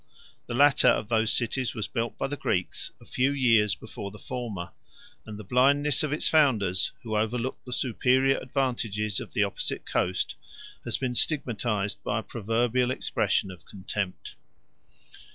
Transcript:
The latter of those cities was built by the Greeks, a few years before the former; and the blindness of its founders, who overlooked the superior advantages of the opposite coast, has been stigmatized by a proverbial expression of contempt.